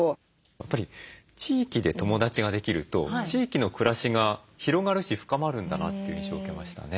やっぱり地域で友だちができると地域の暮らしが広がるし深まるんだなという印象を受けましたね。